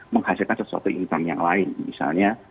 menghasilkan sesuatu income yang lain misalnya